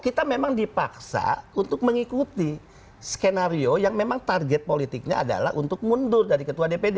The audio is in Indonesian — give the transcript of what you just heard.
kita memang dipaksa untuk mengikuti skenario yang memang target politiknya adalah untuk mundur dari ketua dpd